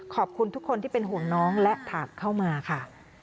ขอบคุณทุกคนที่เป็นห่วงน้องและถามเข้ามาค่ะ